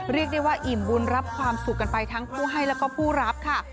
เรียกได้ว่าอิ่มบุญรับความสุขกันไปทั้งผู้ให้แล้วก็ผู้รับค่ะ